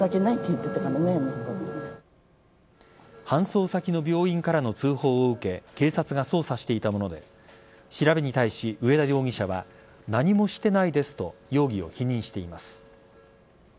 搬送先の病院からの通報を受け警察が捜査していたもので調べに対し上田容疑者は何もしてないですと容疑を否認しています。